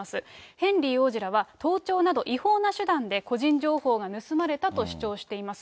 ヘンリー王子らは、盗聴など違法な手段で個人情報が盗まれたと主張しています。